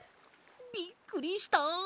びっくりした！